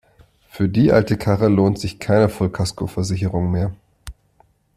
Für die alte Karre lohnt sich keine Vollkaskoversicherung mehr.